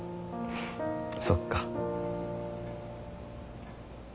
そっか。